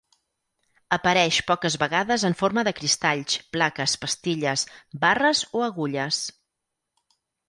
Apareix poques vegades en forma de cristalls, plaques, pastilles, barres o agulles.